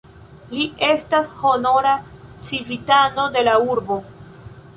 Li estas honora civitano de la urbo.